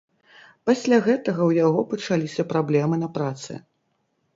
Пасля гэтага ў яго пачаліся праблемы на працы.